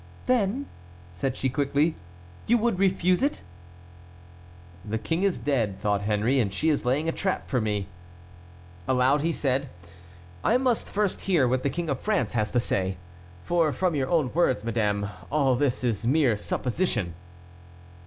"Then," said she, quickly, "you would refuse it?" "The King is dead," thought Henry, "and she is laying a trap for me." Aloud, he said: "I must first hear what the King of France has to say; for from your own words, madame, all this is mere supposition."